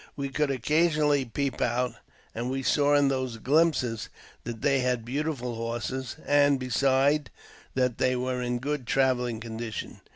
We could occasionally peep out, and we saw in those glimpses that they had beautiful horses, and, besides, that they were in good travelling condition.